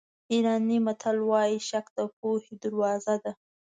ایراني متل وایي شک د پوهې دروازه ده.